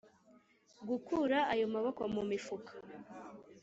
gukura ayo maboko mu mifuka,